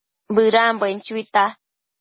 Bëdambuen chuita